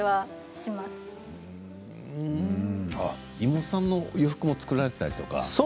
妹さんの洋服も作られたりとか。